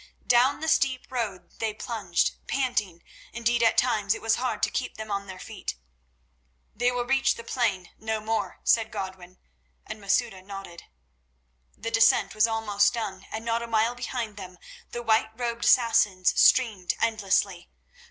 Down the steep road they plunged, panting; indeed at times it was hard to keep them on their feet. "They will reach the plain—no more," said Godwin, and Masouda nodded. The descent was almost done, and not a mile behind them the white robed Assassins streamed endlessly.